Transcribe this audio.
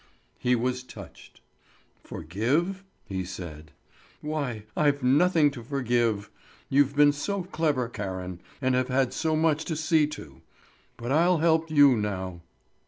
He was touched. "Forgive?" he said. "Why, I've nothing to forgive! You've been so clever, Karen, and have had so much to see to. But I'll help you now."